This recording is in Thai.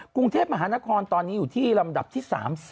กรุงเทพมหานครตอนนี้อยู่ที่ลำดับที่๓๐